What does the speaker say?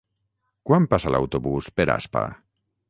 Quan passa l'autobús per Aspa?